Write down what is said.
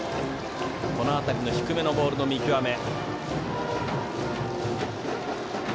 この辺りの低めのボールの見極め。